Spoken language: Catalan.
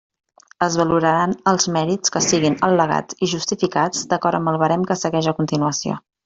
Es valoraran els mèrits que siguin al·legats i justificats d'acord amb el barem que segueix a continuació.